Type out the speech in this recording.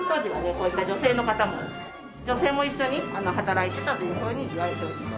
こういった女性の方も女性も一緒に働いてたというふうにいわれております。